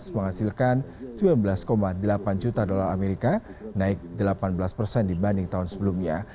menghasilkan sembilan belas delapan juta dolar amerika naik delapan belas persen dibanding tahun sebelumnya